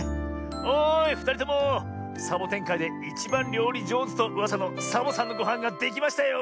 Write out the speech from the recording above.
おいふたりともサボテンかいでいちばんりょうりじょうずとうわさのサボさんのごはんができましたよ。